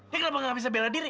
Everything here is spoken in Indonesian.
dia kenapa gak bisa bela diri